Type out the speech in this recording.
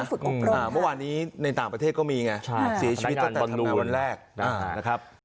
เมื่อวานนี้ในต่างประเทศก็มีไงเสียชีวิตตั้งแต่ธนูวันแรกนะครับ